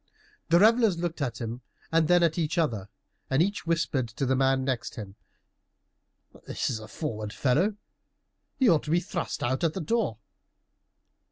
The revelers looked at him and then at each other, and each whispered to the man next him, "This is a forward fellow; he ought to be thrust out at the door."